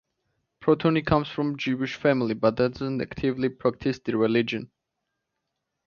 Portnoy comes from a Jewish family, but doesn't actively practice the religion.